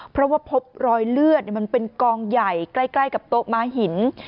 เพราะว่าพบรอยเลือดมันเป็นกองใหญ่ใกล้กับโต๊ะม้าหิน